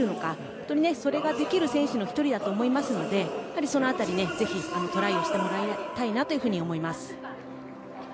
本当にそれができる選手の１人だと思いますのでその辺り、ぜひトライをしてもらいたいと思います。